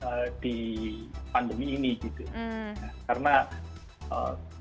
karena jangan sampai pandemi ini malah kita jadi bertengkaran dengan orang lainnya ya